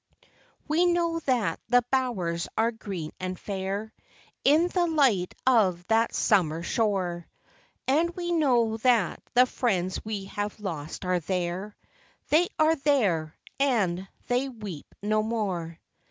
We know that the bowers are green and fair In the light of that summer shore, And we know that the friends we have lost are there; They are there, — and they weep no more